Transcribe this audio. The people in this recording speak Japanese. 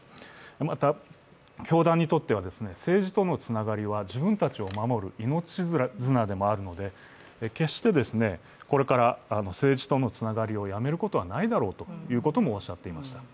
また、教団にとっては政治とのつながりは自分たちを守る命綱でもあるので、決してこれから政治とのつながりをやめることはないだろうということもおっしゃっていました。